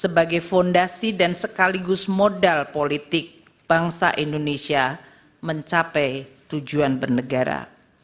sebagai fondasi dan sekaligus modal politik bangsa indonesia mencapai tujuan bernegara